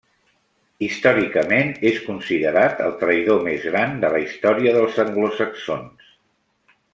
Històricament és considerat el traïdor més gran de la història dels anglosaxons.